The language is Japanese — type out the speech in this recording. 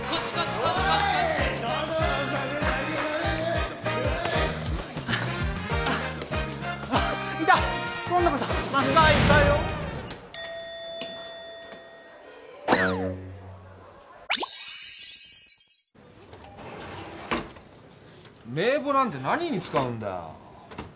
パッ名簿なんて何に使うんだよ